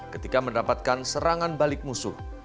ketika mendapatkan serangan balik musuh